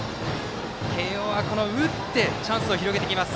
慶応は打ってチャンスを広げてきます。